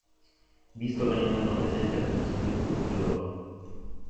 Visto che non erano presenti altre persone oltre loro